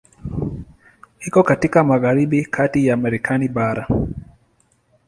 Iko katika magharibi kati ya Marekani bara.